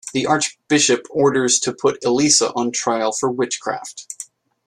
The Archbishop orders to put Elisa on trial for witchcraft.